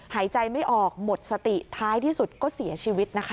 หายใจไม่ออกหมดสติท้ายที่สุดก็เสียชีวิตนะคะ